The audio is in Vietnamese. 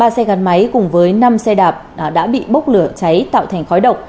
ba xe gắn máy cùng với năm xe đạp đã bị bốc lửa cháy tạo thành khói độc